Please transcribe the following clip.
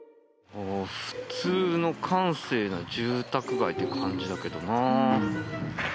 普通の閑静な住宅街って感じだけどな。